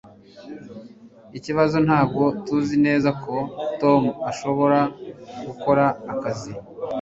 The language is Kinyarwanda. Ikibazo ntabwo tuzi neza ko Tom ashobora gukora akazi